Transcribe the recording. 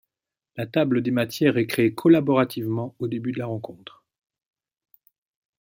La table des matières est créée collaborativement au début de la rencontre.